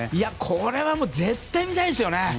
これは絶対に見たいですよね。